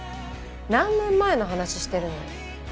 何年前の話してるのよ。